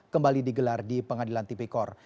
kembali digelar di pengadilan tipikor